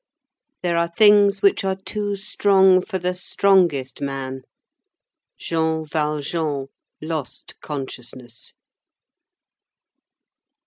There are things which are too strong for the strongest man. Jean Valjean lost consciousness.